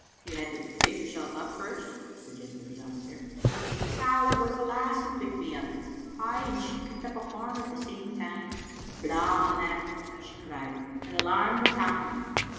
"You had to pick yourself up first," suggested the officer. "Sal, it was the lassie picked me up; ay, and she picked up a horn at the same rime." "*Blaw on that,' she cried, *and alarm the town.'